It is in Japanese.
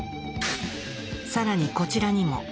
更にこちらにも。